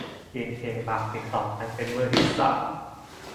กินเคบับติดต่อกันเป็นมื้อที่สาม